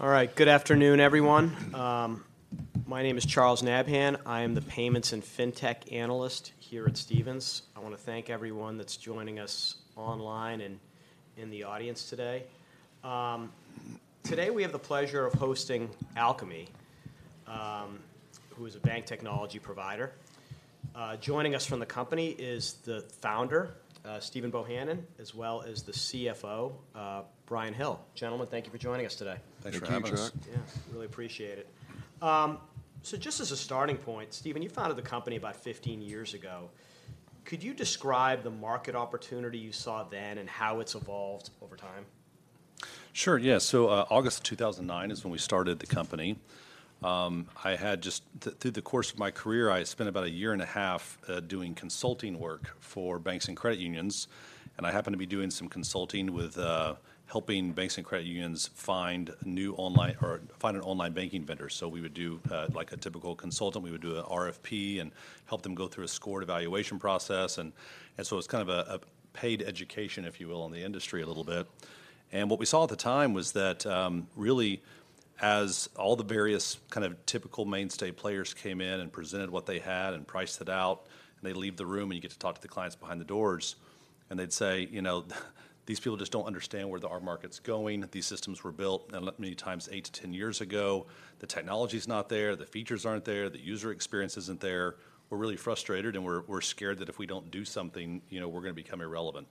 All right. Good afternoon, everyone. My name is Charles Nabhan. I am the Payments and FinTech Analyst here at Stephens. I wanna thank everyone that's joining us online and in the audience today. Today we have the pleasure of hosting Alkami, who is a bank technology provider. Joining us from the company is the founder, Stephen Bohanon, as well as the CFO, Bryan Hill. Gentlemen, thank you for joining us today. Thanks for having us. Thank you, Charles. Yeah, really appreciate it. So just as a starting point, Stephen, you founded the company about 15 years ago. Could you describe the market opportunity you saw then, and how it's evolved over time? Sure, yeah. So, August of 2009 is when we started the company. I had just... through the course of my career, I had spent about a year and a half, doing consulting work for banks and credit unions, and I happened to be doing some consulting with, helping banks and credit unions find new online or find an online banking vendor. So we would do, like a typical consultant, we would do a RFP and help them go through a scored evaluation process. And so it was kind of a paid education, if you will, on the industry a little bit. What we saw at the time was that, really, as all the various kind of typical mainstay players came in and presented what they had and priced it out, and they'd leave the room, and you get to talk to the clients behind closed doors, and they'd say, "You know, these people just don't understand where the market's going. These systems were built," and many times, "8-10 years ago. The technology's not there, the features aren't there, the user experience isn't there. We're really frustrated, and we're scared that if we don't do something, you know, we're gonna become irrelevant."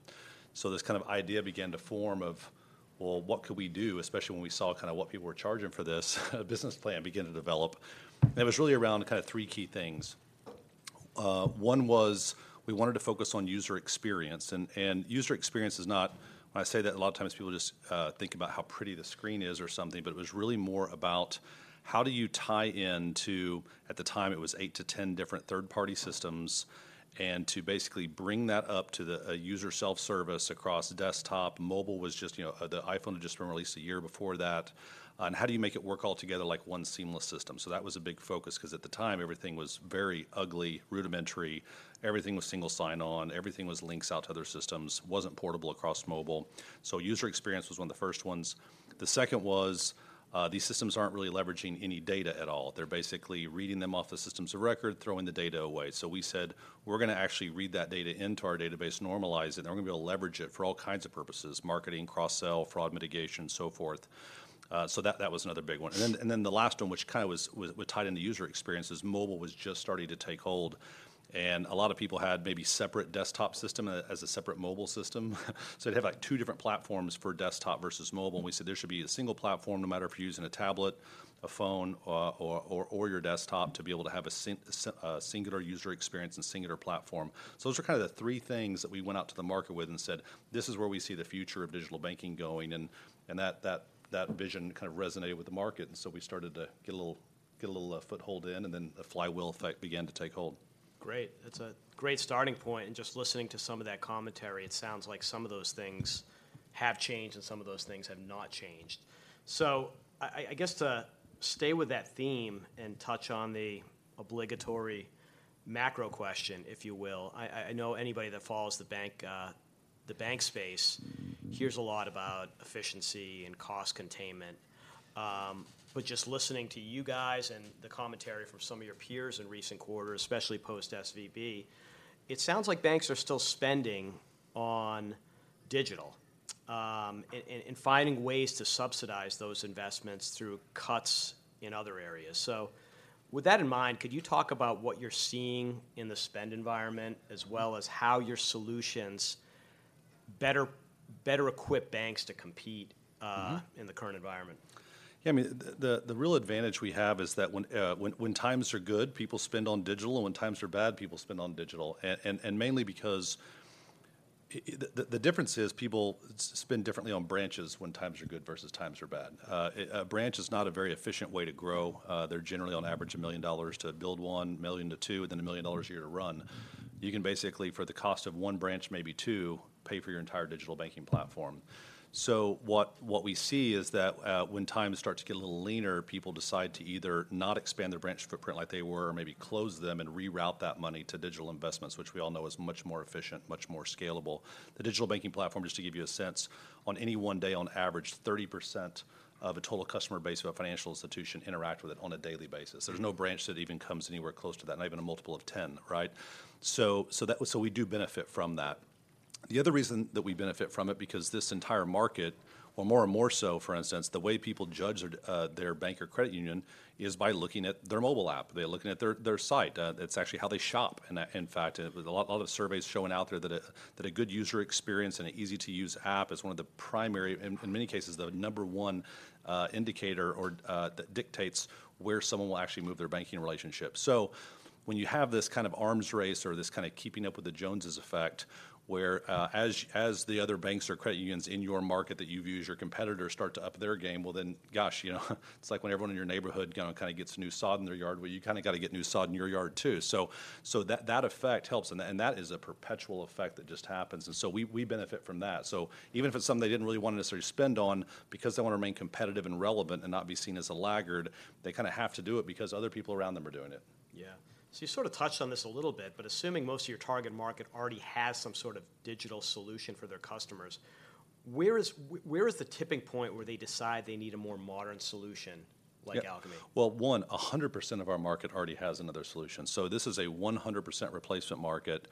So this kind of idea began to form of, well, what could we do? Especially when we saw kind of what people were charging for this. A business plan began to develop, and it was really around kind of three key things. One was we wanted to focus on user experience, and user experience is not... When I say that, a lot of times people just think about how pretty the screen is or something, but it was really more about how do you tie in to, at the time, it was eight-10 different third-party systems, and to basically bring that up to a user self-service across desktop. Mobile was just, you know, the iPhone had just been released a year before that, and how do you make it work all together like one seamless system? So that was a big focus, because at the time, everything was very ugly, rudimentary. Everything was single sign-on, everything was links out to other systems, wasn't portable across mobile. So user experience was one of the first ones. The second was, these systems aren't really leveraging any data at all. They're basically reading them off the systems of record, throwing the data away. So we said, we're gonna actually read that data into our database, normalize it, and we're gonna be able to leverage it for all kinds of purposes: marketing, cross-sell, fraud mitigation, so forth. So that was another big one. And then the last one, which kind of was tied into user experience, is mobile was just starting to take hold, and a lot of people had maybe separate desktop system, as a separate mobile system. So they'd have, like, two different platforms for desktop versus mobile, and we said there should be a single platform, no matter if you're using a tablet, a phone, or your desktop, to be able to have a singular user experience and singular platform. So those are kind of the three things that we went out to the market with and said, "This is where we see the future of digital banking going," and that vision kind of resonated with the market. And so we started to get a little foothold in, and then a flywheel effect began to take hold. Great. That's a great starting point, and just listening to some of that commentary, it sounds like some of those things have changed and some of those things have not changed. So I guess to stay with that theme and touch on the obligatory macro question, if you will, I know anybody that follows the banking space hears a lot about efficiency and cost containment. But just listening to you guys and the commentary from some of your peers in recent quarters, especially post-SVB, it sounds like banks are still spending on digital and finding ways to subsidize those investments through cuts in other areas. So with that in mind, could you talk about what you're seeing in the spend environment, as well as how your solutions better equip banks to compete, Mm-hmm... in the current environment? Yeah, I mean, the real advantage we have is that when when times are good, people spend on digital, and when times are bad, people spend on digital. Mainly because the difference is people spend differently on branches when times are good versus times are bad. A branch is not a very efficient way to grow. They're generally, on average, $1 million to build one, $1 million-$2 million, and then $1 million a year to run. You can basically, for the cost of one branch, maybe two, pay for your entire digital banking platform. So what we see is that, when times start to get a little leaner, people decide to either not expand their branch footprint like they were or maybe close them and reroute that money to digital investments, which we all know is much more efficient, much more scalable. The digital banking platform, just to give you a sense, on any one day, on average, 30% of a total customer base of a financial institution interact with it on a daily basis. Mm-hmm. There's no branch that even comes anywhere close to that, not even a multiple of ten, right? So we do benefit from that. The other reason that we benefit from it, because this entire market, or more and more so, for instance, the way people judge their their bank or credit union is by looking at their mobile app. They're looking at their their site. That's actually how they shop. And that, in fact, a lot, a lot of surveys showing out there that a good user experience and an easy-to-use app is one of the primary, and in many cases, the number one indicator or that dictates where someone will actually move their banking relationship. So when you have this kind of arms race or this kind of keeping up with the Joneses effect, where, as the other banks or credit unions in your market that you view as your competitors start to up their game, well, then, gosh, you know, it's like when everyone in your neighborhood kind of gets new sod in their yard, well, you kind of got to get new sod in your yard, too. So that effect helps, and that is a perpetual effect that just happens, and so we benefit from that. So even if it's something they didn't really want to necessarily spend on, because they wanna remain competitive and relevant and not be seen as a laggard, they kind of have to do it because other people around them are doing it. Yeah. So you sort of touched on this a little bit, but assuming most of your target market already has some sort of digital solution for their customers— where is the tipping point where they decide they need a more modern solution like Alkami? Yeah. Well, one, 100% of our market already has another solution, so this is a 100% replacement market.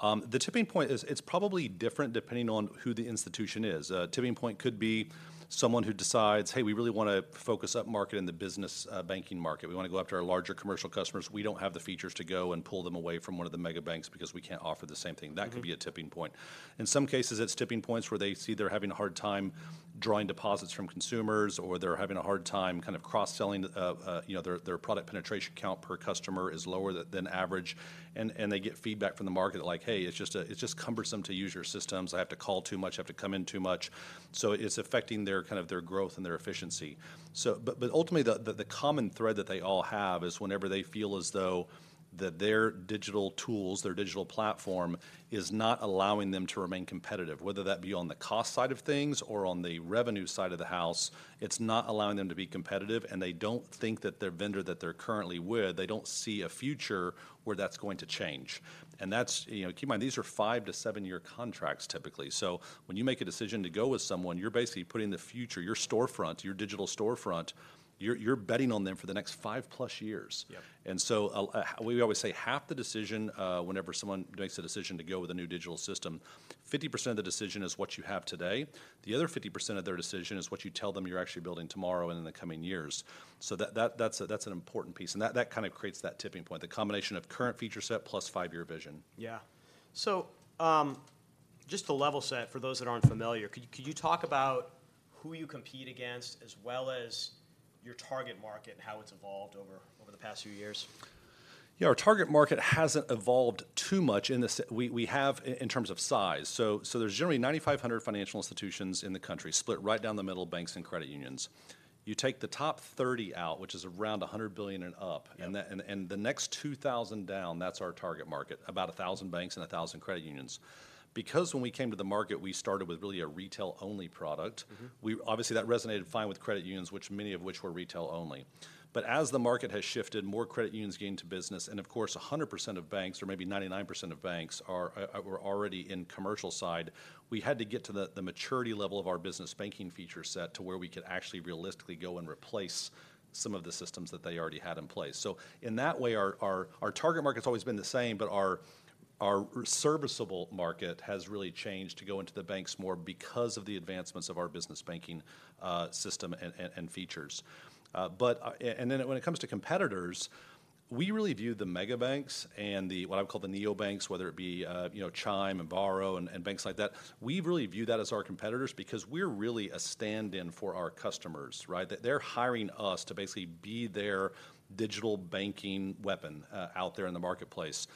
The tipping point is, it's probably different depending on who the institution is. A tipping point could be someone who decides, "Hey, we really wanna focus up market in the business banking market. We wanna go after our larger commercial customers. We don't have the features to go and pull them away from one of the mega banks, because we can't offer the same thing. Mm-hmm. That could be a tipping point. In some cases, it's tipping points where they see they're having a hard time drawing deposits from consumers, or they're having a hard time kind of cross-selling. You know, their product penetration count per customer is lower than average. And they get feedback from the market that like, "Hey, it's just, it's just cumbersome to use your systems. I have to call too much, I have to come in too much." So it's affecting their kind of their growth and their efficiency. But ultimately, the common thread that they all have is whenever they feel as though that their digital tools, their digital platform, is not allowing them to remain competitive. Whether that be on the cost side of things or on the revenue side of the house, it's not allowing them to be competitive, and they don't think that their vendor that they're currently with, they don't see a future where that's going to change. And that's... You know, keep in mind, these are five-seven-year contracts, typically. So when you make a decision to go with someone, you're basically putting the future, your storefront, your digital storefront, you're, you're betting on them for the next 5+ years. Yep. And so, we always say half the decision, whenever someone makes a decision to go with a new digital system, 50% of the decision is what you have today. The other 50% of their decision is what you tell them you're actually building tomorrow and in the coming years. So that's an important piece, and that kind of creates that tipping point, the combination of current feature set plus five-year vision. Yeah. So, just to level set for those that aren't familiar, could you talk about who you compete against, as well as your target market and how it's evolved over the past few years? Yeah, our target market hasn't evolved too much in terms of size. So, there's generally 9,500 financial institutions in the country, split right down the middle, banks and credit unions. You take the top 30 out, which is around $100 billion and up- Yep... the next 2,000 down, that's our target market, about 1,000 banks and 1,000 credit unions. Because when we came to the market, we started with really a retail-only product- Mm-hmm... we, obviously, that resonated fine with credit unions, which many of which were retail only. But as the market has shifted, more credit unions getting to business, and of course, 100% of banks, or maybe 99% of banks, are, were already in commercial side, we had to get to the maturity level of our business banking feature set to where we could actually realistically go and replace some of the systems that they already had in place. So in that way, our target market's always been the same, but our serviceable market has really changed to go into the banks more because of the advancements of our business banking system and features. But then when it comes to competitors, we really view the mega banks and the, what I call the neobanks, whether it be, you know, Chime, Varo, and banks like that, we really view that as our competitors because we're really a stand-in for our customers, right? They're hiring us to basically be their digital banking weapon out there in the marketplace.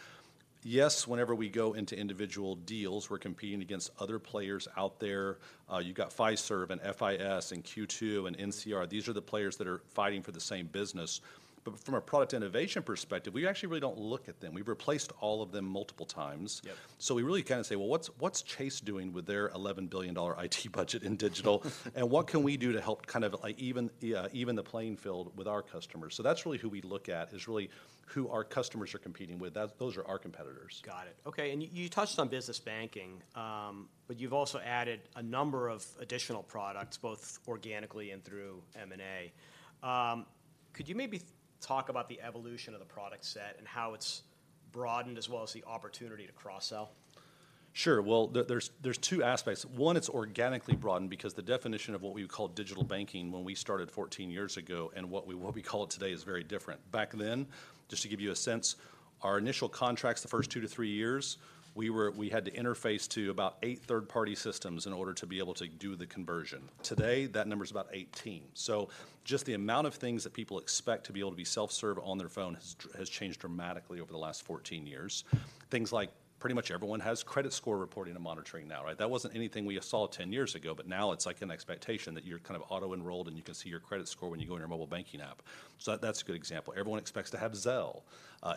Yes, whenever we go into individual deals, we're competing against other players out there. You've got Fiserv and FIS and Q2 and NCR. These are the players that are fighting for the same business. But from a product innovation perspective, we actually really don't look at them. We've replaced all of them multiple times. Yep. So we really kind of say, "Well, what's, what's Chase doing with their $11 billion IT budget in digital?" "And what can we do to help kind of, like, even the, even the playing field with our customers?" So that's really who we look at, is really who our customers are competing with. That, those are our competitors. Got it. Okay, and you touched on business banking, but you've also added a number of additional products, both organically and through M&A. Could you maybe talk about the evolution of the product set and how it's broadened, as well as the opportunity to cross-sell? Sure. Well, there's two aspects. One, it's organically broadened because the definition of what we would call digital banking when we started 14 years ago and what we, what we call it today is very different. Back then, just to give you a sense, our initial contracts, the first two to three years, we had to interface to about eight third-party systems in order to be able to do the conversion. Today, that number is about 18. So just the amount of things that people expect to be able to be self-serve on their phone has changed dramatically over the last 14 years. Things like, pretty much everyone has credit score reporting and monitoring now, right? That wasn't anything we saw 10 years ago, but now it's like an expectation that you're kind of auto-enrolled, and you can see your credit score when you go in your mobile banking app. So that, that's a good example. Everyone expects to have Zelle.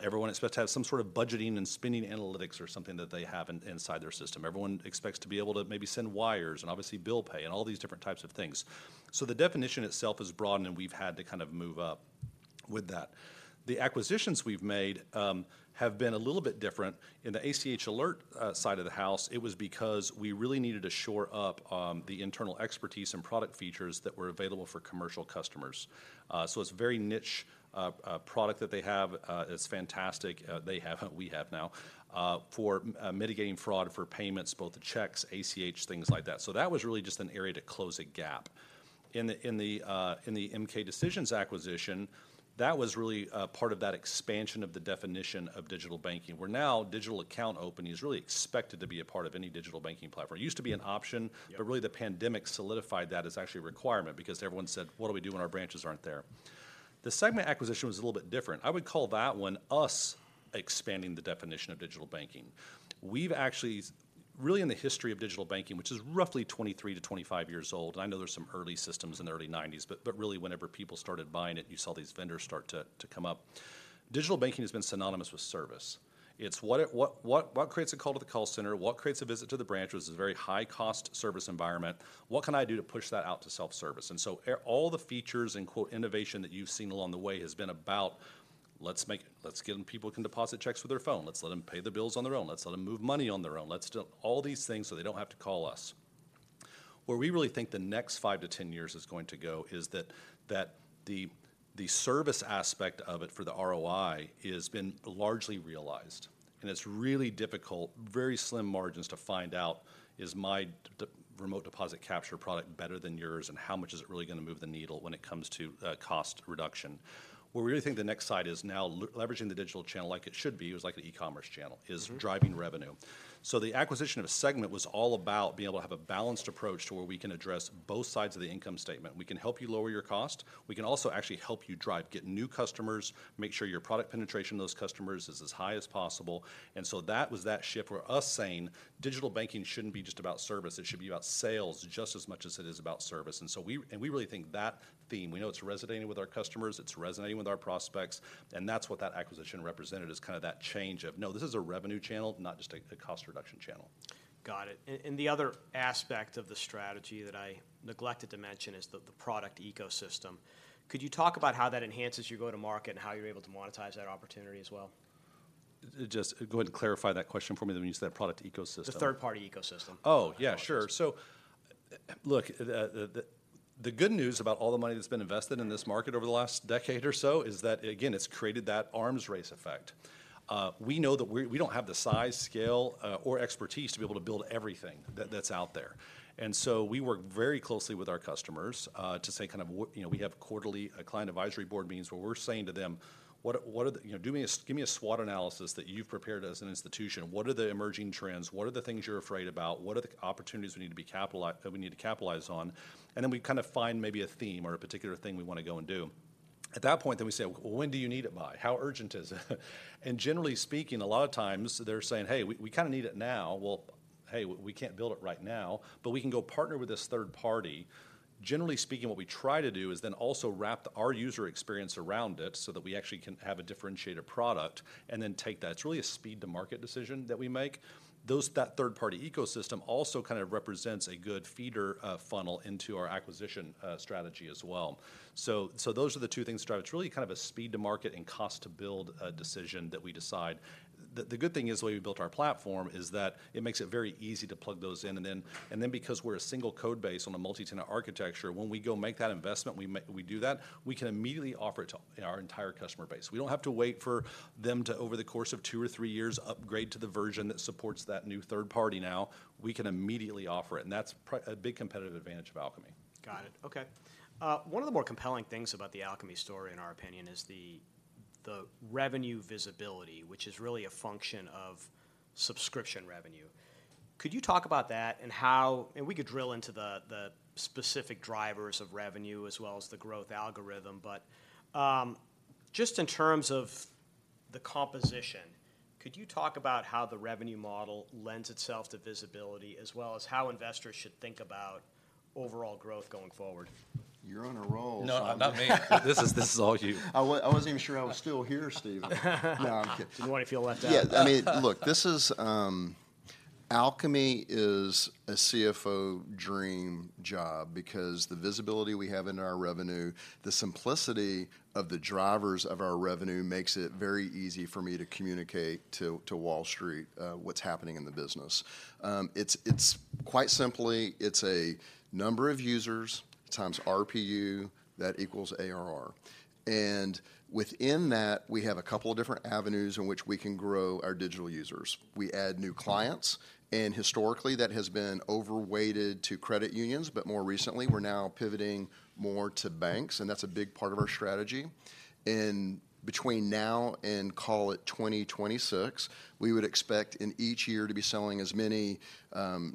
Everyone expects to have some sort of budgeting and spending analytics or something that they have inside their system. Everyone expects to be able to maybe send wires and obviously bill pay and all these different types of things. So the definition itself has broadened, and we've had to kind of move up with that. The acquisitions we've made have been a little bit different. In the ACH Alert side of the house, it was because we really needed to shore up the internal expertise and product features that were available for commercial customers. So it's a very niche product that they have. It's fantastic. They have, we have now, for mitigating fraud for payments, both the checks, ACH, things like that. So that was really just an area to close a gap. In the MK Decision acquisition, that was really a part of that expansion of the definition of digital banking, where now digital account opening is really expected to be a part of any digital banking platform. It used to be an option- Yep... but really, the pandemic solidified that as actually a requirement because everyone said: What do we do when our branches aren't there? The Segmint acquisition was a little bit different. I would call that one us expanding the definition of digital banking. We've actually... Really, in the history of digital banking, which is roughly 23-25 years old, I know there's some early systems in the early 1990s, but really, whenever people started buying it, you saw these vendors start to come up. Digital banking has been synonymous with service. It's what it—what creates a call to the call center? What creates a visit to the branch, which is a very high-cost service environment? What can I do to push that out to self-service? And so all the features and, quote, "innovation" that you've seen along the way has been about-... Let's make it. Let's give them people can deposit checks with their phone. Let's let them pay the bills on their own. Let's let them move money on their own. Let's do all these things so they don't have to call us. Where we really think the next five-10 years is going to go is that the service aspect of it for the ROI has been largely realized, and it's really difficult, very slim margins, to find out is my remote deposit capture product better than yours, and how much is it really gonna move the needle when it comes to cost reduction? Where we really think the next side is now leveraging the digital channel like it should be, is like an e-commerce channel- Mm-hmm. is driving revenue. So the acquisition of Segmint was all about being able to have a balanced approach to where we can address both sides of the income statement. We can help you lower your cost, we can also actually help you drive, get new customers, make sure your product penetration to those customers is as high as possible. And so that was that shift, where us saying, "Digital banking shouldn't be just about service, it should be about sales just as much as it is about service." And so we really think that theme, we know it's resonating with our customers, it's resonating with our prospects, and that's what that acquisition represented, is kind of that change of, no, this is a revenue channel, not just a, a cost reduction channel. Got it. And the other aspect of the strategy that I neglected to mention is the product ecosystem. Could you talk about how that enhances your go-to-market and how you're able to monetize that opportunity as well? Just go ahead and clarify that question for me, when you say product ecosystem? The third-party ecosystem. Oh, yeah, sure. So, look, the good news about all the money that's been invested in this market over the last decade or so, is that, again, it's created that arms race effect. We know that we don't have the size, scale, or expertise to be able to build everything that's out there. And so we work very closely with our customers, to say kind of you know, we have quarterly client advisory board meetings, where we're saying to them: "What are the... You know, give me a SWOT analysis that you've prepared as an institution. What are the emerging trends? What are the things you're afraid about? What are the opportunities we need to capitalize on?" And then we kind of find maybe a theme or a particular thing we want to go and do. At that point, then we say, "Well, when do you need it by? How urgent is it?" And generally speaking, a lot of times they're saying, "Hey, we kind of need it now." Well, hey, we can't build it right now, but we can go partner with this third party. Generally speaking, what we try to do is then also wrap our user experience around it, so that we actually can have a differentiated product, and then take that. It's really a speed-to-market decision that we make. That third-party ecosystem also kind of represents a good feeder funnel into our acquisition strategy as well. So those are the two things. It's really kind of a speed-to-market and cost-to-build decision that we decide. The good thing is, the way we built our platform, is that it makes it very easy to plug those in. And then because we're a single code base on a multi-tenant architecture, when we go make that investment, we do that, we can immediately offer it to, you know, our entire customer base. We don't have to wait for them to, over the course of two or three years, upgrade to the version that supports that new third party now. We can immediately offer it, and that's a big competitive advantage of Alkami. Got it. Okay. One of the more compelling things about the Alkami story, in our opinion, is the revenue visibility, which is really a function of subscription revenue. Could you talk about that and how... And we could drill into the specific drivers of revenue as well as the growth algorithm, but just in terms of the composition, could you talk about how the revenue model lends itself to visibility, as well as how investors should think about overall growth going forward? You're on a roll, so- No, not me. This is all you. I wasn't even sure I was still here, Stephen. No, I'm kidding. Didn't want you to feel left out. Yeah, I mean, look, this is Alkami is a CFO dream job because the visibility we have in our revenue, the simplicity of the drivers of our revenue makes it very easy for me to communicate to Wall Street, what's happening in the business. It's quite simply a number of users times RPU, that equals ARR. And within that, we have a couple of different avenues in which we can grow our digital users. We add new clients, and historically, that has been overweighted to credit unions, but more recently, we're now pivoting more to banks, and that's a big part of our strategy. And between now and call it 2026, we would expect in each year to be selling as many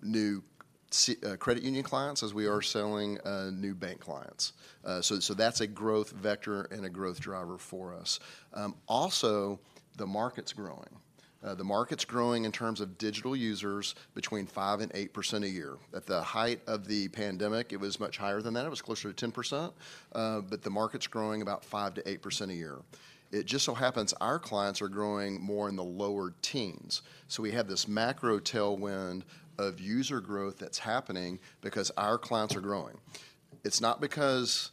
new credit union clients as we are selling new bank clients. So that's a growth vector and a growth driver for us. Also, the market's growing. The market's growing in terms of digital users between 5% and 8% a year. At the height of the pandemic, it was much higher than that. It was closer to 10%, but the market's growing about 5%-8% a year. It just so happens, our clients are growing more in the lower teens, so we have this macro tailwind of user growth that's happening because our clients are growing. It's not because,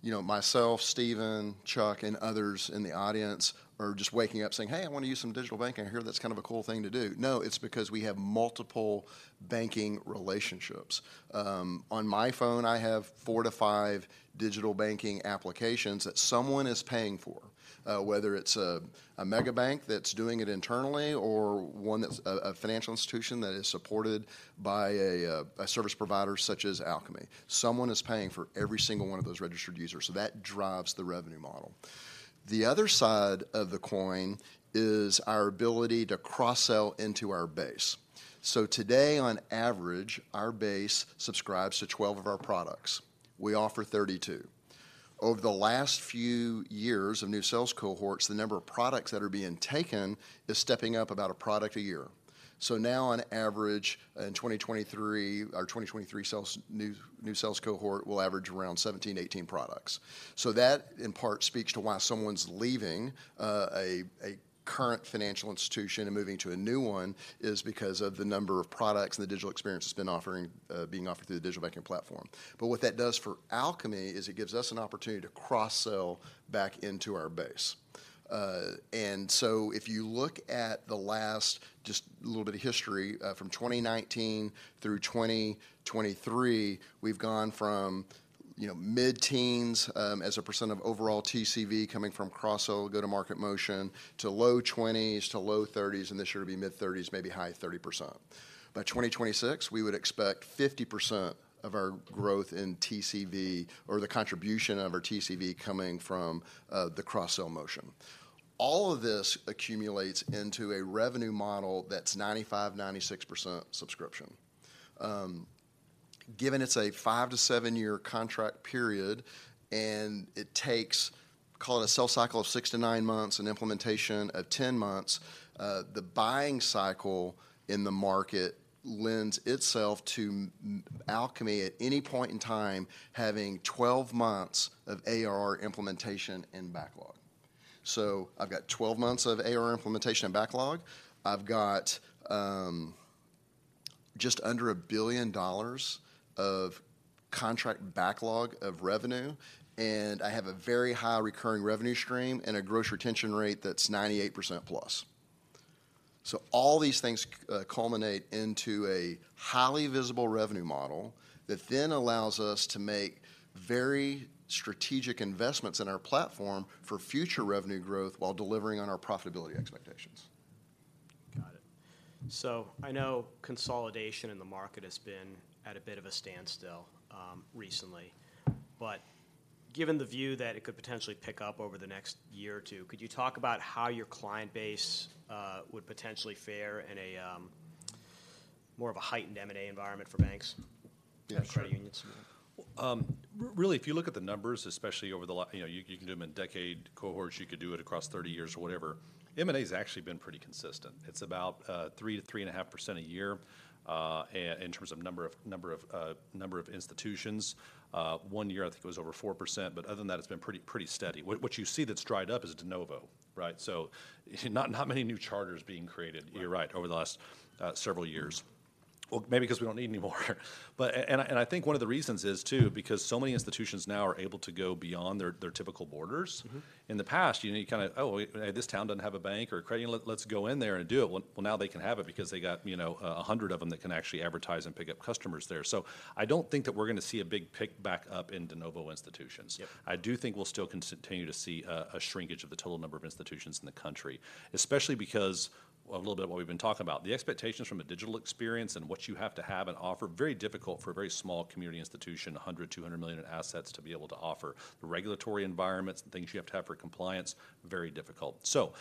you know, myself, Stephen, Chuck, and others in the audience are just waking up saying: "Hey, I want to use some digital banking. I hear that's kind of a cool thing to do." No, it's because we have multiple banking relationships. On my phone, I have four-five digital banking applications that someone is paying for, whether it's a mega bank that's doing it internally, or one that's a financial institution that is supported by a service provider such as Alkami. Someone is paying for every single one of those registered users, so that drives the revenue model. The other side of the coin is our ability to cross-sell into our base. So today, on average, our base subscribes to 12 of our products. We offer 32. Over the last few years of new sales cohorts, the number of products that are being taken is stepping up about a product a year. So now, on average, in 2023, our 2023 sales new sales cohort will average around 17-18 products. So that, in part, speaks to why someone's leaving a... current financial institution and moving to a new one, is because of the number of products and the digital experience it's been offering, being offered through the digital banking platform. But what that does for Alkami is it gives us an opportunity to cross-sell back into our base. And so if you look at the last, just a little bit of history, from 2019 through 2023, we've gone from, you know, mid-teens% of overall TCV coming from cross-sell, go-to-market motion, to low 20s%, to low 30s%, and this year it'll be mid-30s%, maybe high 30%. By 2026, we would expect 50% of our growth in TCV or the contribution of our TCV coming from the cross-sell motion. All of this accumulates into a revenue model that's 95%-96% subscription. Given it's a five-seven-year contract period, and it takes, call it a sell cycle of six-nine months and implementation of 10 months, the buying cycle in the market lends itself to Alkami at any point in time, having 12 months of AR implementation in backlog. So I've got 12 months of AR implementation in backlog. I've got, just under $1 billion of contract backlog of revenue, and I have a very high recurring revenue stream and a gross retention rate that's 98%+. So all these things culminate into a highly visible revenue model, that then allows us to make very strategic investments in our platform for future revenue growth while delivering on our profitability expectations. Got it. So I know consolidation in the market has been at a bit of a standstill recently. But given the view that it could potentially pick up over the next year or two, could you talk about how your client base would potentially fare in a more of a heightened M&A environment for banks- Yeah... and credit unions? Really, if you look at the numbers, especially over the last, you know, you can do them in decade cohorts, you could do it across 30 years or whatever, M&A's actually been pretty consistent. It's about 3%-3.5% a year in terms of number of institutions. One year, I think it was over 4%, but other than that, it's been pretty steady. What you see that's dried up is de novo, right? So not many new charters being created- Right... you're right, over the last several years. Well, maybe because we don't need any more. But and I, and I think one of the reasons is, too, because so many institutions now are able to go beyond their typical borders. Mm-hmm. In the past, you know, you kind of, "Oh, wait, this town doesn't have a bank or a credit union. Let's go in there and do it." Well, now they can have it because they got, you know, 100 of them that can actually advertise and pick up customers there. So I don't think that we're gonna see a big pick back up in de novo institutions. Yep. I do think we'll still continue to see a shrinkage of the total number of institutions in the country, especially because, a little bit of what we've been talking about, the expectations from a digital experience and what you have to have and offer, very difficult for a very small community institution, $100 million-$200 million in assets, to be able to offer. The regulatory environments and things you have to have for compliance, very difficult. So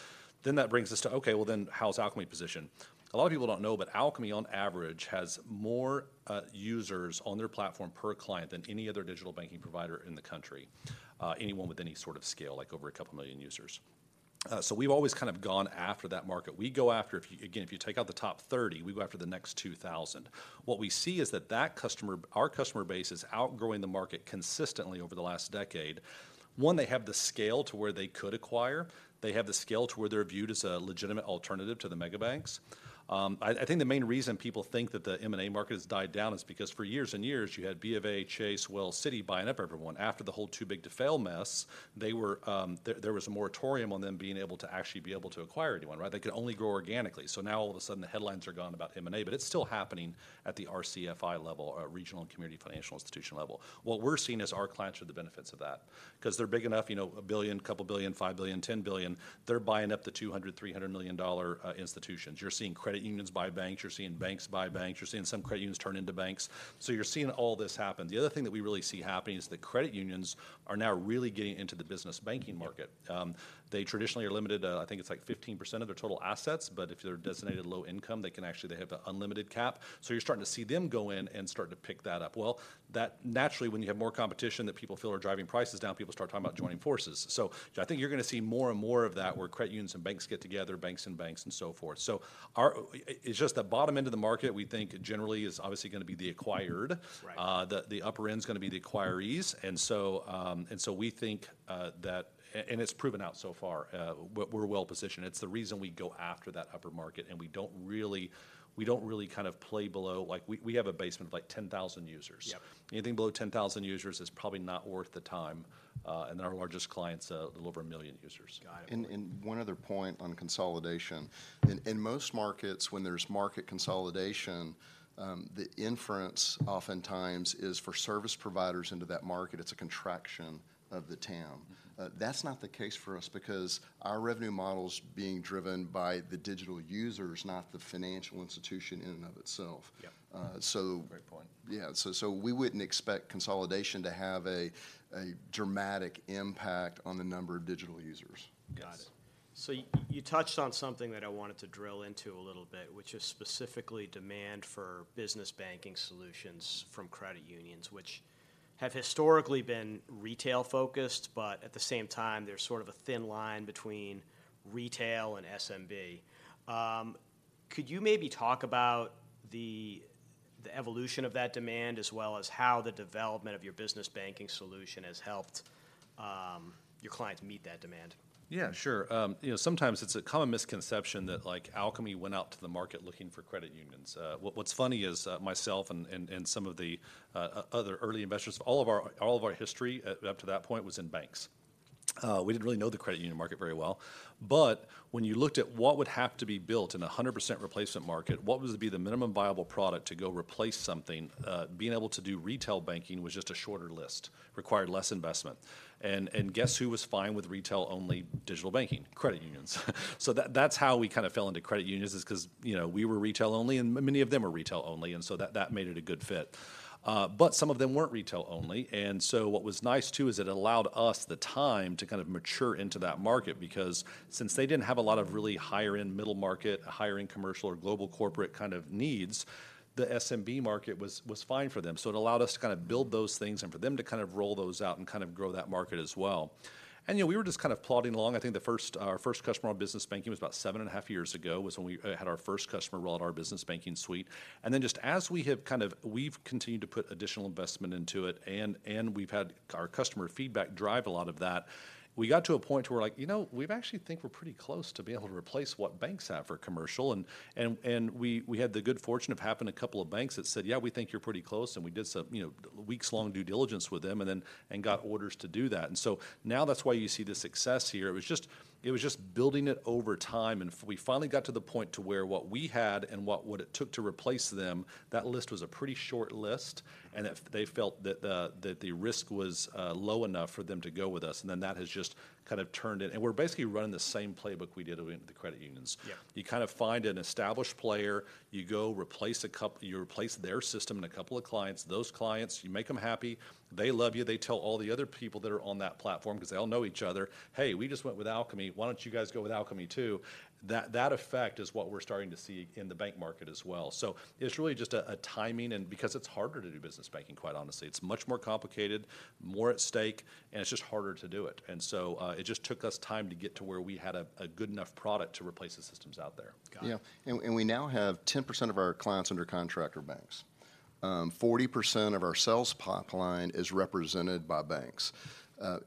then that brings us to, okay, well, then how is Alkami positioned? A lot of people don't know, but Alkami, on average, has more users on their platform per client than any other digital banking provider in the country. Anyone with any sort of scale, like over a couple million users. So we've always kind of gone after that market. We go after, if you—again, if you take out the top 30, we go after the next 2,000. What we see is that our customer base is outgrowing the market consistently over the last decade. One, they have the scale to where they could acquire. They have the scale to where they're viewed as a legitimate alternative to the mega banks. I think the main reason people think that the M&A market has died down is because for years and years, you had B of A, Chase, Wells, Citi buying up everyone. After the whole too-big-to-fail mess, they were, there was a moratorium on them being able to acquire anyone, right? They could only grow organically. So now all of a sudden, the headlines are gone about M&A, but it's still happening at the RCFI level, or regional and community financial institution level. What we're seeing is our clients are the benefits of that. Because they're big enough, you know, $1 billion, couple billion, $5 billion, $10 billion, they're buying up the $200 million, $300 million-dollar institutions. You're seeing credit unions buy banks, you're seeing banks buy banks, you're seeing some credit unions turn into banks. So you're seeing all this happen. The other thing that we really see happening is that credit unions are now really getting into the business banking market. They traditionally are limited to, I think it's like 15% of their total assets, but if they're designated low income, they can actually, they have an unlimited cap. So you're starting to see them go in and start to pick that up. Well, that naturally, when you have more competition that people feel are driving prices down, people start talking about joining forces. So I think you're gonna see more and more of that, where credit unions and banks get together, banks and banks, and so forth. So it's just the bottom end of the market, we think, generally is obviously gonna be the acquired. Right. The upper end's gonna be the acquirees. And so we think that and it's proven out so far, we're well-positioned. It's the reason we go after that upper market, and we don't really, we don't really kind of play below. Like, we have a basement of, like, 10,000 users. Yep. Anything below 10,000 users is probably not worth the time. Then our largest client's a little over 1 million users. Got it. One other point on consolidation. In most markets, when there's market consolidation, the inference oftentimes is for service providers into that market, it's a contraction of the TAM. That's not the case for us because our revenue model's being driven by the digital users, not the financial institution in and of itself. Yep. Uh, so- Great point. Yeah. So we wouldn't expect consolidation to have a dramatic impact on the number of digital users. Got it. So you touched on something that I wanted to drill into a little bit, which is specifically demand for business banking solutions from credit unions, which have historically been retail-focused, but at the same time, there's sort of a thin line between retail and SMB. Could you maybe talk about the evolution of that demand, as well as how the development of your business banking solution has helped your clients meet that demand? Yeah, sure. You know, sometimes it's a common misconception that, like, Alkami went out to the market looking for credit unions. What's funny is, myself and some of the other early investors, all of our history up to that point was in banks. We didn't really know the credit union market very well. But when you looked at what would have to be built in a 100% replacement market, what would be the minimum viable product to go replace something, being able to do retail banking was just a shorter list, required less investment. And guess who was fine with retail-only digital banking? Credit unions. So that's how we kind of fell into credit unions, is 'cause, you know, we were retail only, and many of them were retail only, and so that made it a good fit. But some of them weren't retail only, and so what was nice, too, is it allowed us the time to kind of mature into that market, because since they didn't have a lot of really higher-end middle market, higher-end commercial or global corporate kind of needs, the SMB market was fine for them. So it allowed us to kind of build those things and for them to kind of roll those out and kind of grow that market as well. And, you know, we were just kind of plodding along. I think the first, our first customer on business banking was about 7.5 years ago, was when we had our first customer roll out our business banking suite. And then just as we have kind of... We've continued to put additional investment into it, and we've had our customer feedback drive a lot of that. We got to a point to where we're like: You know, we actually think we're pretty close to being able to replace what banks have for commercial. And we had the good fortune of having a couple of banks that said, "Yeah, we think you're pretty close," and we did some, you know, weeks-long due diligence with them, and then got orders to do that. And so now that's why you see the success here. It was just, it was just building it over time, and we finally got to the point to where what we had and what would it took to replace them, that list was a pretty short list, and that they felt that the, that the risk was low enough for them to go with us, and then that has just kind of turned it... And we're basically running the same playbook we did with, with the credit unions. Yeah. You kind of find an established player, you go replace their system and a couple of clients. Those clients, you make them happy, they love you, they tell all the other people that are on that platform, 'cause they all know each other, "Hey, we just went with Alkami. Why don't you guys go with Alkami, too?" That, that effect is what we're starting to see in the bank market as well. So it's really just a timing and because it's harder to do business banking, quite honestly. It's much more complicated, more at stake, and it's just harder to do it. And so, it just took us time to get to where we had a good enough product to replace the systems out there. Got it. Yeah. And we now have 10% of our clients under contract are banks. 40% of our sales pipeline is represented by banks.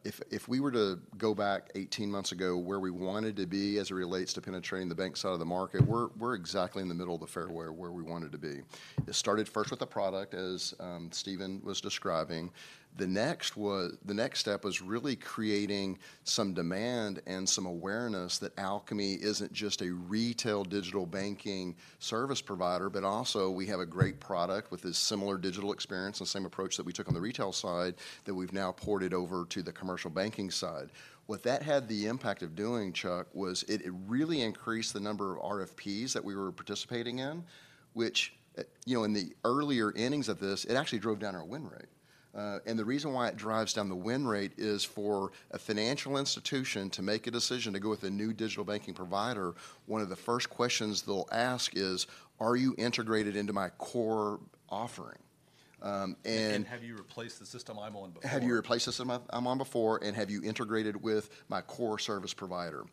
If we were to go back 18 months ago where we wanted to be as it relates to penetrating the bank side of the market, we're exactly in the middle of the fairway where we wanted to be. It started first with the product, as Stephen was describing. The next step was really creating some demand and some awareness that Alkami isn't just a retail digital banking service provider, but also we have a great product with a similar digital experience and same approach that we took on the retail side, that we've now ported over to the commercial banking side. What that had the impact of doing, Chuck, was, it really increased the number of RFPs that we were participating in, which, you know, in the earlier innings of this, it actually drove down our win rate. And the reason why it drives down the win rate is for a financial institution to make a decision to go with a new digital banking provider, one of the first questions they'll ask is, "Are you integrated into my core offering?" and Have you replaced the system I'm on before? Have you replaced the system I'm on before, and have you integrated with my core service provider?"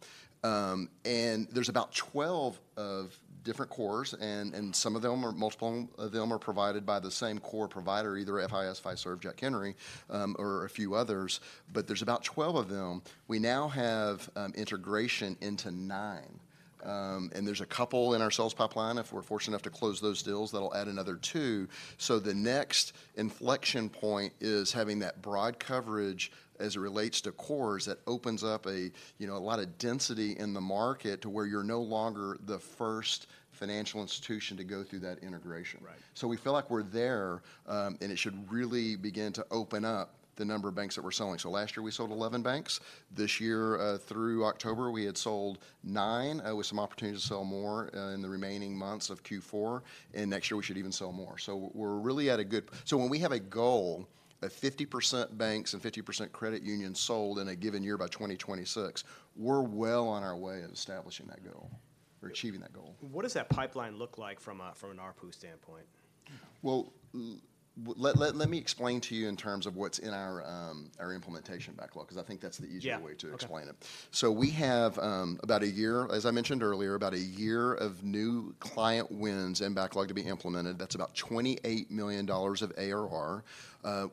And there's about 12 different cores, and some of them are multiple of them are provided by the same core provider, either FIS, Fiserv, Jack Henry, or a few others, but there's about 12 of them. We now have integration into nine. And there's a couple in our sales pipeline, if we're fortunate enough to close those deals, that'll add another two. So the next inflection point is having that broad coverage as it relates to cores, that opens up a, you know, a lot of density in the market to where you're no longer the first financial institution to go through that integration. Right. So we feel like we're there, and it should really begin to open up the number of banks that we're selling. So last year we sold 11 banks. This year, through October, we had sold nine, with some opportunity to sell more, in the remaining months of Q4, and next year we should even sell more. So we're really at a good... So when we have a goal of 50% banks and 50% credit unions sold in a given year by 2026, we're well on our way of establishing that goal or achieving that goal. What does that pipeline look like from a, from an RPU standpoint? Well, let me explain to you in terms of what's in our implementation backlog, 'cause I think that's the easier way- Yeah... to explain it. So we have about a year, as I mentioned earlier, about a year of new client wins and backlog to be implemented. That's about $28 million of ARR.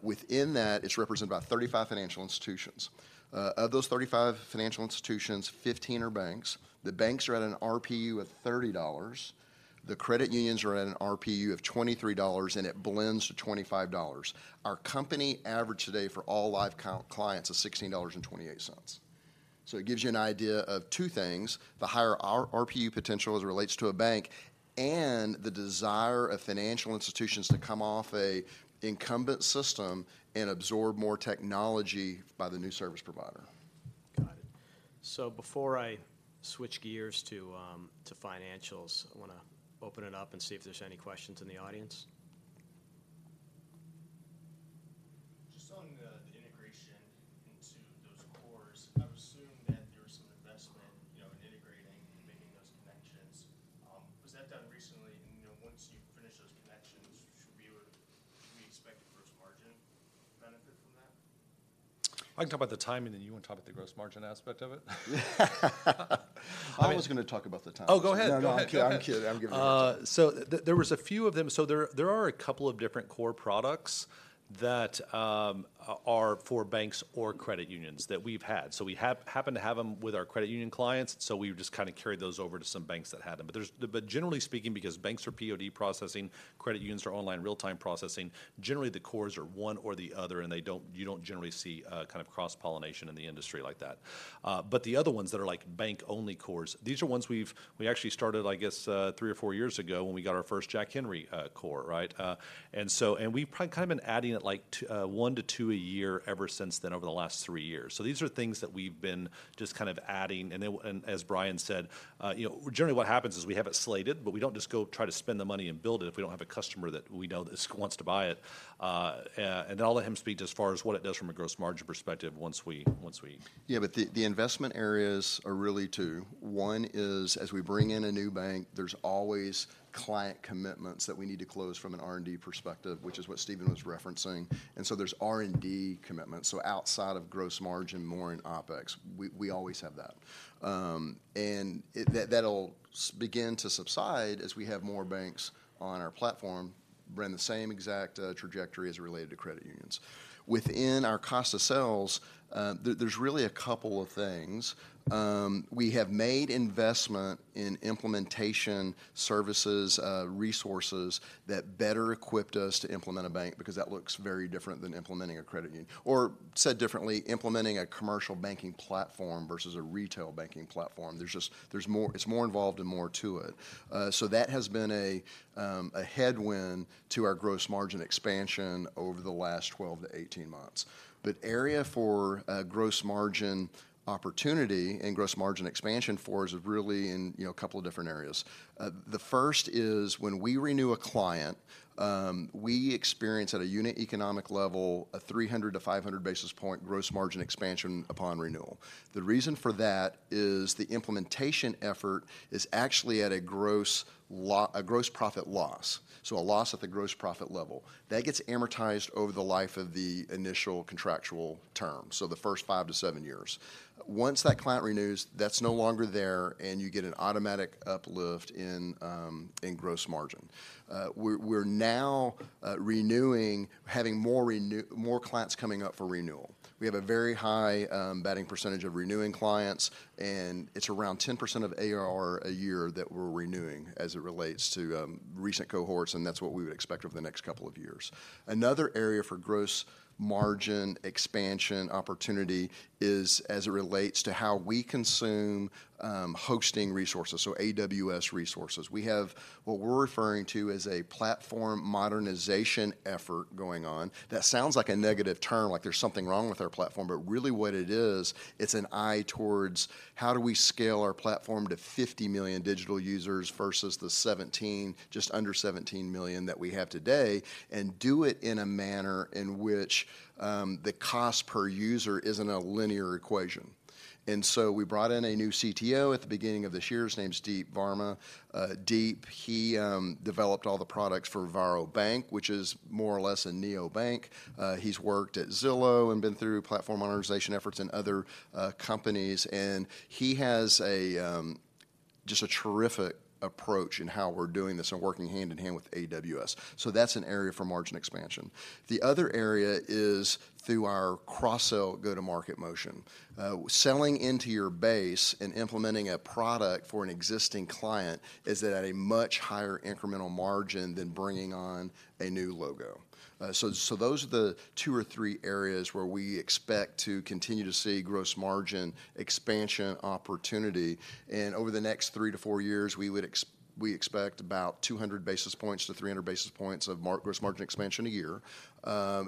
Within that, it's represented by 35 financial institutions. Of those 35 financial institutions, 15 are banks. The banks are at an RPU of $30. The credit unions are at an RPU of $23, and it blends to $25. Our company average today for all live clients is $16.28. So it gives you an idea of two things: the higher our RPU potential as it relates to a bank, and the desire of financial institutions to come off an incumbent system and absorb more technology by the new service provider. Got it. So before I switch gears to, to financials, I wanna open it up and see if there's any questions in the audience. that are for banks or credit unions that we've had. So we happen to have them with our credit union clients, so we've just kind of carried those over to some banks that had them. But generally speaking, because banks are POD processing, credit unions are online real-time processing, generally the cores are one or the other, and you don't generally see kind of cross-pollination in the industry like that. But the other ones that are like bank-only cores, these are ones we actually started, I guess, three or four years ago when we got our first Jack Henry core, right? And we've kind of been adding at, like, one-two a year ever since then over the last three years. So these are things that we've been just kind of adding. And then, as Bryan said, you know, generally what happens is we have it slated, but we don't just go try to spend the money and build it if we don't have a customer that we know that wants to buy it. And I'll let him speak to as far as what it does from a gross margin perspective once we once we- Yeah, but the investment areas are really two. One is, as we bring in a new bank, there's always client commitments that we need to close from an R&D perspective, which is what Stephen was referencing. And so there's R&D commitments, so outside of gross margin, more in OpEx. We always have that. And it'll begin to subside as we have more banks on our platform running the same exact trajectory as related to credit unions. Within our cost of sales, there's really a couple of things. We have made investment in implementation services resources that better equipped us to implement a bank, because that looks very different than implementing a credit union. Or said differently, implementing a commercial banking platform versus a retail banking platform. There's just more—it's more involved and more to it. So that has been a headwind to our gross margin expansion over the last 12-18 months. But area for a gross margin opportunity and gross margin expansion for us is really in, you know, a couple of different areas. The first is, when we renew a client, we experience, at a unit economic level, a 300-500 basis point gross margin expansion upon renewal. The reason for that is the implementation effort is actually at a gross profit loss, so a loss at the gross profit level. That gets amortized over the life of the initial contractual term, so the first 5-7 years. Once that client renews, that's no longer there, and you get an automatic uplift in gross margin. We're now having more renew... more clients coming up for renewal. We have a very high batting percentage of renewing clients, and it's around 10% of ARR a year that we're renewing as it relates to recent cohorts, and that's what we would expect over the next couple of years. Another area for gross margin expansion opportunity is as it relates to how we consume hosting resources, so AWS resources. We have what we're referring to as a platform modernization effort going on. That sounds like a negative term, like there's something wrong with our platform, but really what it is, it's an eye towards how do we scale our platform to 50 million digital users versus the 17, just under 17 million that we have today, and do it in a manner in which the cost per user isn't a linear equation. So we brought in a new CTO at the beginning of this year. His name's Deep Varma. Deep, he developed all the products for Varo Bank, which is more or less a neobank. He's worked at Zillow and been through platform modernization efforts in other companies, and he has just a terrific approach in how we're doing this and working hand-in-hand with AWS. So that's an area for margin expansion. The other area is through our cross-sell go-to-market motion. Selling into your base and implementing a product for an existing client is at a much higher incremental margin than bringing on a new logo. So those are the two or three areas where we expect to continue to see gross margin expansion opportunity. And over the next three-four years, we expect about 200 basis points-300 basis points of gross margin expansion a year,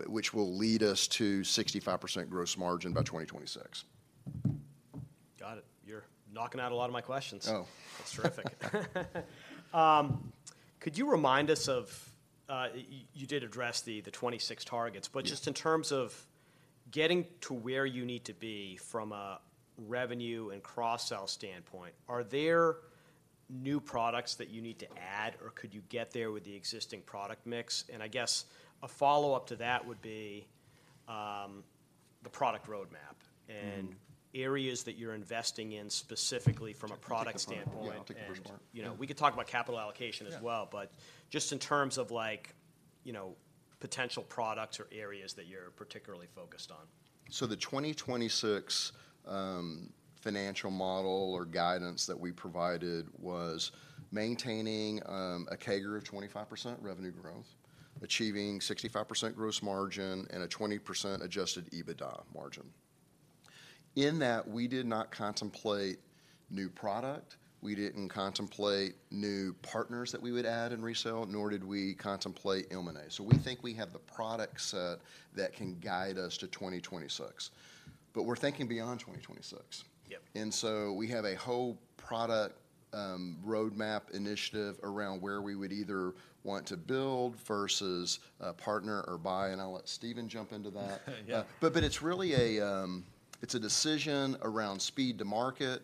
which will lead us to 65% gross margin by 2026. Got it. You're knocking out a lot of my questions. Oh. That's terrific. Could you remind us of... you did address the 2026 targets? Yeah. But just in terms of getting to where you need to be from a revenue and cross-sell standpoint, are there new products that you need to add, or could you get there with the existing product mix? And I guess a follow-up to that would be, the product roadmap- Mm-hmm... and areas that you're investing in specifically from a product standpoint? Yeah, I'll take the first one. You know, we can talk about capital allocation as well- Yeah... but just in terms of, like, you know, potential products or areas that you're particularly focused on. So the 2026 financial model or guidance that we provided was maintaining a CAGR of 25% revenue growth, achieving 65% gross margin, and a 20% adjusted EBITDA margin. In that, we did not contemplate new product, we didn't contemplate new partners that we would add and resell, nor did we contemplate M&A. So we think we have the product set that can guide us to 2026. But we're thinking beyond 2026. Yep. We have a whole product roadmap initiative around where we would either want to build versus partner or buy, and I'll let Stephen jump into that. Yeah. But it's really a decision around speed to market,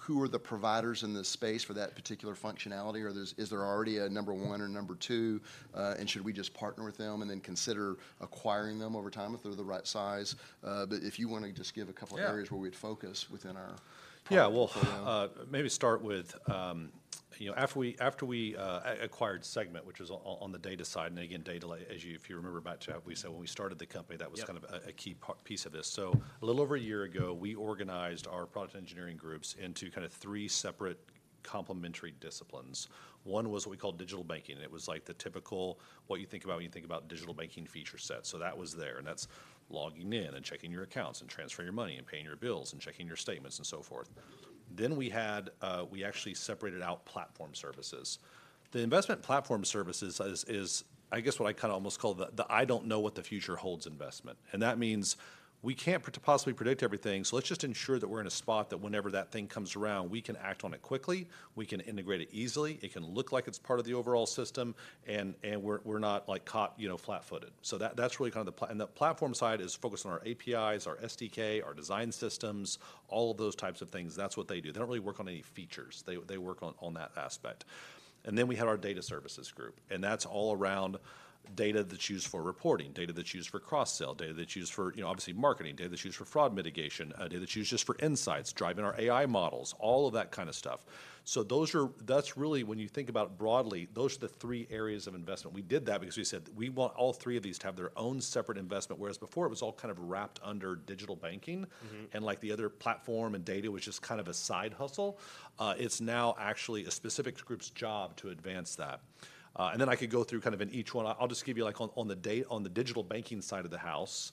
who are the providers in this space for that particular functionality, or is there already a number one or number two, and should we just partner with them and then consider acquiring them over time if they're the right size? But if you wanna just give a couple of areas- Yeah... where we'd focus within our product portfolio. Yeah, well, maybe start with, you know, after we acquired Segmint, which was on the data side, and again, data, as if you remember back, Chad, we said when we started the company- Yep... that was kind of a key piece of this. So a little over a year ago, we organized our product engineering groups into kinda three separate complementary disciplines. One was what we called digital banking, and it was, like, the typical what you think about when you think about digital banking feature set. So that was there, and that's logging in, and checking your accounts, and transferring your money, and paying your bills, and checking your statements, and so forth. Then we had, we actually separated out platform services. The investment platform services is, I guess what I kinda almost call the, the I don't know what the future holds investment. And that means we can't possibly predict everything, so let's just ensure that we're in a spot that whenever that thing comes around, we can act on it quickly, we can integrate it easily, it can look like it's part of the overall system, and we're not, like, caught, you know, flat-footed. So that's really kind of the plan and the platform side is focused on our APIs, our SDK, our design systems, all of those types of things. That's what they do. They don't really work on any features. They work on that aspect. And then we have our data services group, and that's all around data that's used for reporting, data that's used for cross-sell, data that's used for, you know, obviously, marketing, data that's used for fraud mitigation, data that's used just for insights, driving our AI models, all of that kind of stuff. So those are... That's really, when you think about it broadly, those are the three areas of investment. We did that because we said we want all three of these to have their own separate investment, whereas before, it was all kind of wrapped under digital banking. Mm-hmm. Like, the other platform and data was just kind of a side hustle. It's now actually a specific group's job to advance that. And then I could go through kind of in each one. I'll just give you, like, on, on the digital banking side of the house,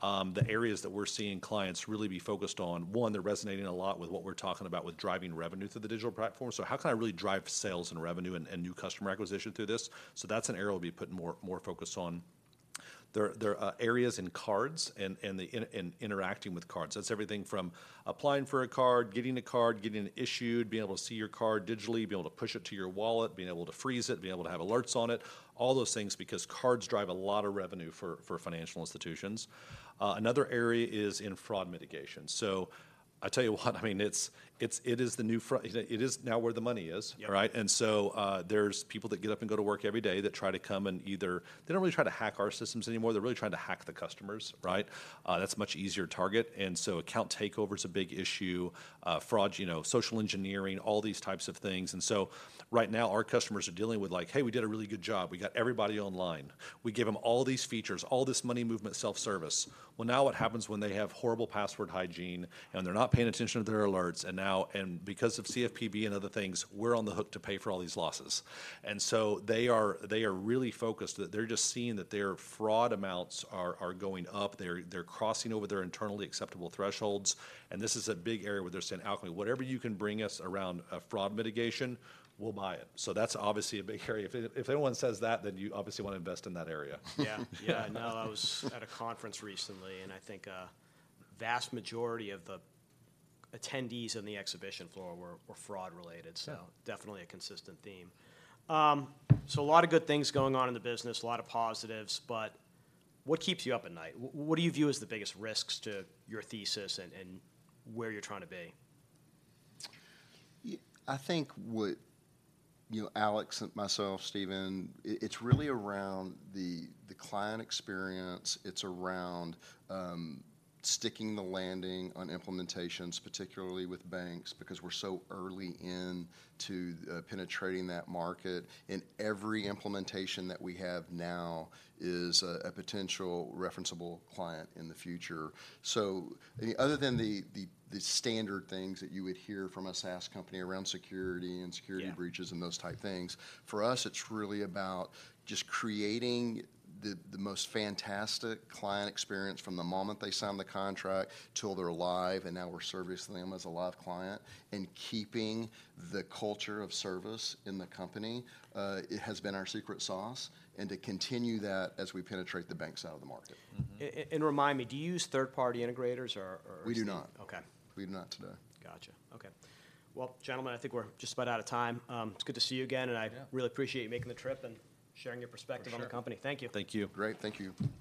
the areas that we're seeing clients really be focused on. One, they're resonating a lot with what we're talking about with driving revenue through the digital platform. So how can I really drive sales and revenue and new customer acquisition through this? So that's an area we'll be putting more focus on. There are areas in cards and in interacting with cards. That's everything from applying for a card, getting a card, getting it issued, being able to see your card digitally, being able to push it to your wallet, being able to freeze it, being able to have alerts on it, all those things, because cards drive a lot of revenue for financial institutions. Another area is in fraud mitigation. So I tell you what, I mean, it is now where the money is. Yep. Right? And so, there's people that get up and go to work every day that try to come and either... They don't really try to hack our systems anymore. They're really trying to hack the customers, right? That's a much easier target, and so account takeover is a big issue, fraud, you know, social engineering, all these types of things. And so right now, our customers are dealing with, like, "Hey, we did a really good job. We got everybody online. We gave them all these features, all this money movement, self-service. Well, now what happens when they have horrible password hygiene, and they're not paying attention to their alerts, and now... And because of CFPB and other things, we're on the hook to pay for all these losses?" And so they are, they are really focused. They're just seeing that their fraud amounts are going up. They're crossing over their internally acceptable thresholds, and this is a big area where they're saying, "Alkami, whatever you can bring us around fraud mitigation, we'll buy it." So that's obviously a big area. If anyone says that, then you obviously want to invest in that area. Yeah. Yeah, no, I was at a conference recently, and I think a vast majority of the attendees on the exhibition floor were fraud-related. Yeah. So definitely a consistent theme. So a lot of good things going on in the business, a lot of positives, but what keeps you up at night? What do you view as the biggest risks to your thesis and, and where you're trying to be? I think, you know, Alex and myself, Stephen, it's really around the client experience. It's around sticking the landing on implementations, particularly with banks, because we're so early into penetrating that market. And every implementation that we have now is a potential referenceable client in the future. So other than the standard things that you would hear from a SaaS company around security and security- Yeah... breaches and those type of things, for us, it's really about just creating the most fantastic client experience from the moment they sign the contract till they're live, and now we're servicing them as a live client, and keeping the culture of service in the company. It has been our secret sauce, and to continue that as we penetrate the bank side of the market. Mm-hmm. Remind me, do you use third-party integrators or? We do not. Okay. We do not today. Gotcha. Okay. Well, gentlemen, I think we're just about out of time. It's good to see you again, and I- Yeah... really appreciate you making the trip and sharing your perspective- For sure... on the company. Thank you. Thank you. Great. Thank you.